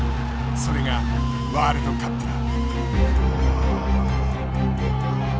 それがワールドカップだ。